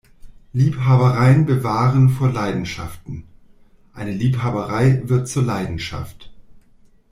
Liebhabereien bewahren vor Leidenschaften; eine Liebhaberei wird zur Leidenschaft.